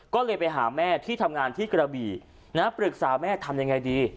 ก็เลยไปหาแม่ที่ทำงานที่กระบี่นะปรึกษาแม่ทำยังไงดี